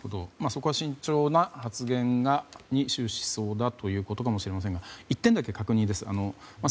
そこは慎重な発言に終始しそうだということかもしれませんが１点だけ確認です。